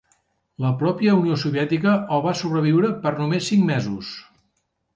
La pròpia Unió Soviètica el va sobreviure per només cinc mesos.